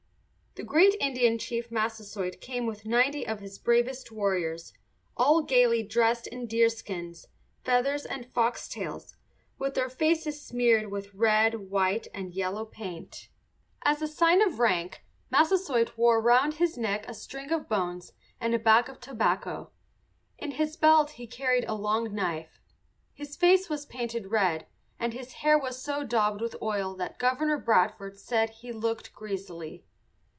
The great Indian chief, Massasoit, came with ninety of his bravest warriors, all gayly dressed in deerskins, feathers, and foxtails, with their faces smeared with red, white, and yellow paint. As a sign of rank, Massasoit wore round his neck a string of bones and a bag of tobacco. In his belt he carried a long knife. His face was painted red, and his hair was so daubed with oil that Governor Bradford said he "looked greasily."